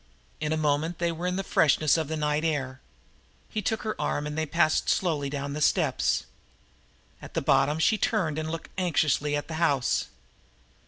In a moment they were in the freshness of the night air. He took her arm, and they passed slowly down the steps. At the bottom she turned and looked anxiously at the house.